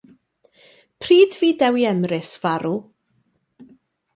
Pryd fu Dewi Emrys farw?